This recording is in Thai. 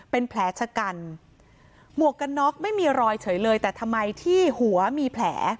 เป็นแผลชะกันหมวกกันน็อกไม่มีรอยเฉยเลยแต่ทำไมที่หัวมีแผล